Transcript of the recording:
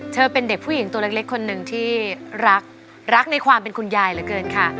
เป็นเด็กผู้หญิงตัวเล็กคนหนึ่งที่รักรักในความเป็นคุณยายเหลือเกินค่ะ